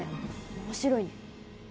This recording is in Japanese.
面白いね。